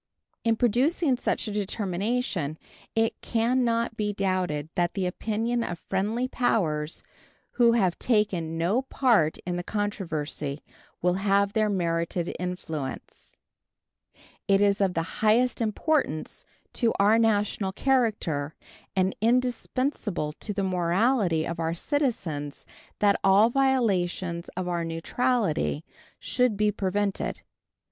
In producing such a determination it can not be doubted that the opinion of friendly powers who have taken no part in the controversy will have their merited influence. It is of the highest importance to our national character and indispensable to the morality of our citizens that all violations of our neutrality should be prevented.